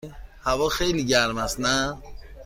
هوا خیلی گرم است، نه؟